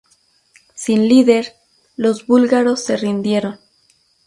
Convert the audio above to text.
Sin líder, los búlgaros se rindieron.